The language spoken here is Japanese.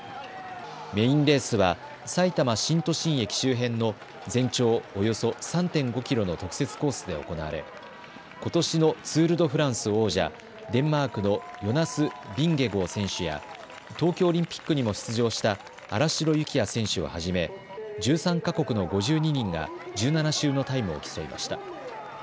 メインレースはさいたま新都心駅周辺の全長およそ３．５キロの特設コースで行われことしのツール・ド・フランス王者、デンマークのヨナス・ヴィンゲゴー選手や東京オリンピックにも出場した新城幸也選手をはじめ１３か国の５２人が１７周のタイムを競いました。